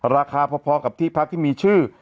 ราคาพอกับที่พักที่มีชื่อ